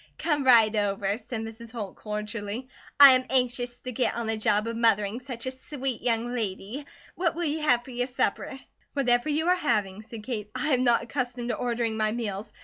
"Come right over," said Mrs. Holt, cordially. "I am anxious to git on the job of mothering such a sweet young lady. What will you have for your supper?" "Whatever you are having," said Kate. "I am not accustomed to ordering my meals.